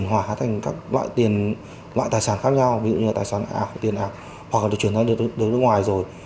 ngoài hóa thành các loại tiền loại tài sản khác nhau ví dụ như là tài sản ảo tiền ảo hoặc là được chuyển sang nước ngoài rồi